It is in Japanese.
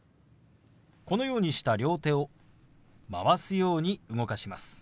このようにした両手を回すように動かします。